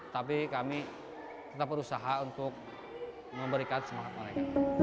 tapi kami tetap berusaha untuk memberikan semangat mereka